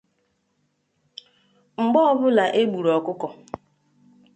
Mgbe ọbụla e gburu ọkụkọ